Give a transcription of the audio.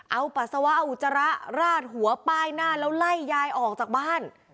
เอาปัสสาวะเอาอุจจาระราดหัวป้ายหน้าแล้วไล่ยายออกจากบ้าน